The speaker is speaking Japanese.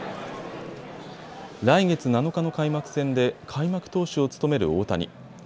来月７日の開幕戦で開幕投手を務める大谷。